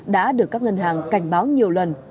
đã được các ngân hàng cảnh báo nhiều lần